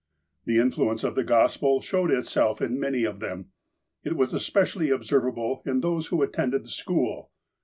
The influence of the Gospel showed itself in many of them. It was especially observable in those who at tended the school.